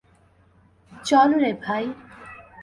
চল রে, ভাই।